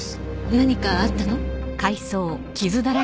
何かあったの？